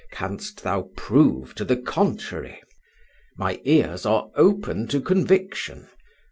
canst thou prove to the contrary? My ears are open to conviction.